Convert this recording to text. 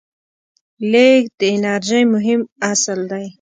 لیږد د انرژۍ مهم اصل دی.